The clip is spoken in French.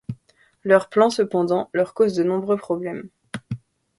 Leurs plans, cependant, leur causent de nombreux problèmes.